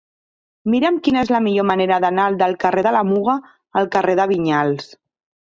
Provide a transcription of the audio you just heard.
Mira'm quina és la millor manera d'anar del carrer de la Muga al carrer de Vinyals.